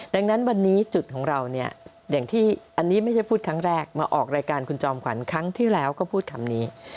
ดังนั้นวันนี้จุดของเราเนี่ยอย่างที่อันนี้ไม่ใช่พูดครั้งแรกมาออกรายการคุณจอมขวัญครั้งที่แล้วก็พูดคำนี้